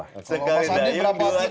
pak sandi berapa